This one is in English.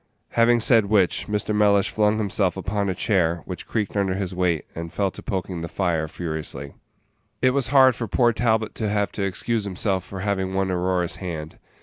Having said which, Mr. Mellish flung himself upon a chair, which creaked under his weight, and fell to poking the fire furiously. It was hard for poor Talbot to have to excuse himself for having won Aurora's hand.